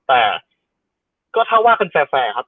แต่ก็ถ้าว่ากันแฟร์ครับ